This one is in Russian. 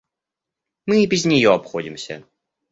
Мы и без нее обходимся.